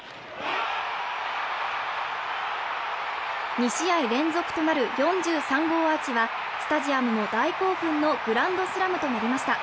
２試合連続となる４３号アーチはスタジアムも大興奮のグランドスラムとなりました